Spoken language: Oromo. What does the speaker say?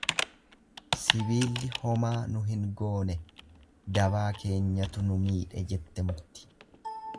"Sibiilli homaa nu hin goone, dabaa keenyatu nu miidhe"" jette mukti."